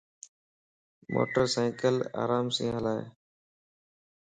موٽر سينڪل آرام سين ھلائي